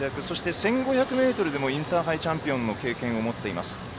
１５００もインターハイのチャンピオンの記録を持っています。